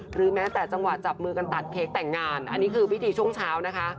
หรือแม้แต่จังหวะจับมือกันตัดเค้กแต่งงานอันนี้คือพิธีช่วงเช้านะคะ